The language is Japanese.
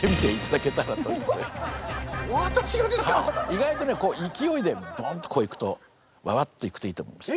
意外とねこう勢いでボンとこういくとババッといくといいと思います。